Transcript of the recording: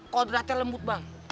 kodratnya lembut bang